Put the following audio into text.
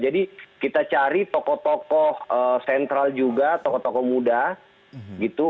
jadi kita cari tokoh tokoh sentral juga tokoh tokoh muda gitu